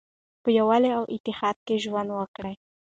په یووالي او اتحاد کې ژوند وکړئ.